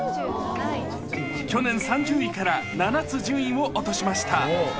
去年３０位から７つ順位を落としました。